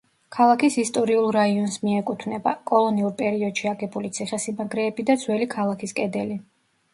ქალაქის ისტორიულ რაიონს მიეკუთვნება, კოლონიურ პერიოდში აგებული ციხესიმაგრეები და ძველი ქალაქის კედელი.